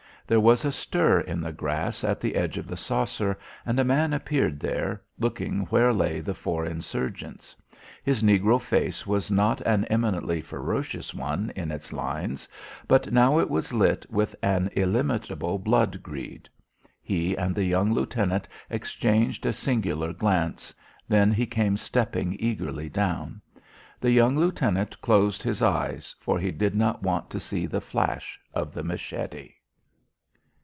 There was a stir in the grass at the edge of the saucer, and a man appeared there, looking where lay the four insurgents. His negro face was not an eminently ferocious one in its lines, but now it was lit with an illimitable blood greed. He and the young lieutenant exchanged a singular glance; then he came stepping eagerly down. The young lieutenant closed his eyes, for he did not want to see the flash of the machete.